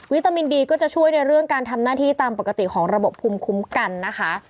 ตามินดีก็จะช่วยในเรื่องการทำหน้าที่ตามปกติของระบบภูมิคุ้มกันนะคะ